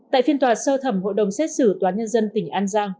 tại phiên tòa sơ thẩm hội đồng xét xử toán nhân dân tỉnh an giang